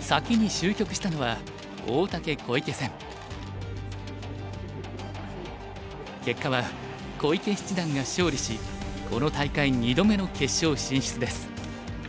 先に終局したのは結果は小池七段が勝利しこの大会２度目の決勝進出です。